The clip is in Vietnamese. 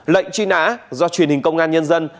lệnh truy nã do truyền hình công an nhân dân